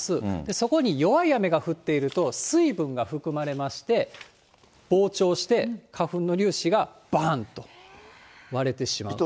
そこに弱い雨が降っていると水分が含まれまして、膨張して、花粉の粒子がばーんと割れてしまう。